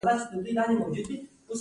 دا بلپ مړ که ويده شه.